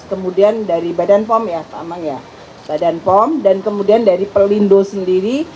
kemudian dari badan pom dan kemudian dari pelindo sendiri